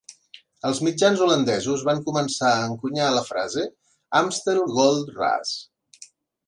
Els mitjans holandesos van començar a encunyar la frase "Amstel Gold Raas".